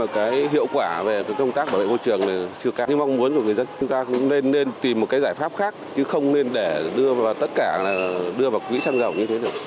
chúng ta cũng nên tìm một cái giải pháp khác chứ không nên để đưa vào tất cả là đưa vào quỹ xăng dầu như thế được